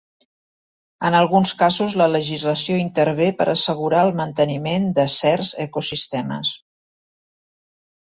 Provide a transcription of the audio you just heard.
En alguns casos la legislació intervé per assegurar el manteniment de certs ecosistemes.